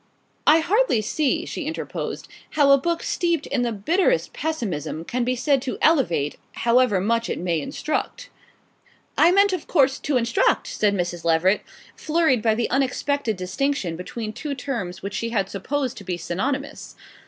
"I hardly see," she interposed, "how a book steeped in the bitterest pessimism can be said to elevate however much it may instruct." "I meant, of course, to instruct," said Mrs. Leveret, flurried by the unexpected distinction between two terms which she had supposed to be synonymous.